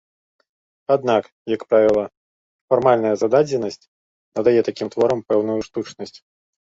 Аднак, як правіла, фармальная зададзенасць надае такім творам пэўную штучнасць.